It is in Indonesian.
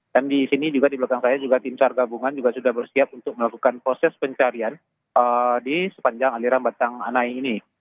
dan di sini juga di belakang saya tim car gabungan juga sudah bersiap untuk melakukan proses pencarian di sepanjang aliran batang anai ini